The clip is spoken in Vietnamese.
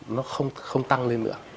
nó không tăng lên nữa